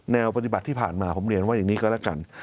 แนวปฏิบัติที่ผ่านมาผมเรียนว่าอย่างนี้ก็แล้วกัน